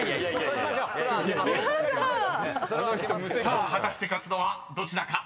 ［さあ果たして勝つのはどちらか？